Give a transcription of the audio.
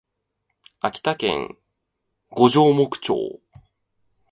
秋田県五城目町